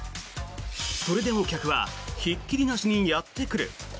それでも客はひっきりなしにやってくる。